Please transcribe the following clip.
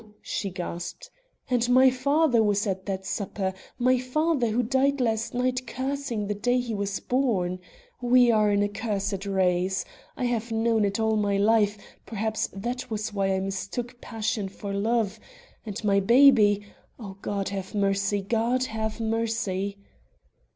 she gasped; "and my father was at that supper! my father, who died last night cursing the day he was born! We are an accursed race. I have known it all my life; perhaps that was why I mistook passion for love; and my baby O God, have mercy! God have mercy!"